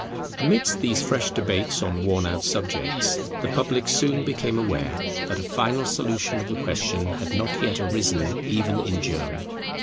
Amidst these fresh debates on worn out subjects, the public soon became aware that a final solution of the question had not yet arisen even in germ.